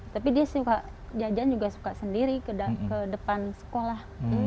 tapi dia suka jajan juga suka sendiri ke depan sekolah